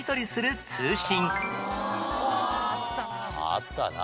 あったな。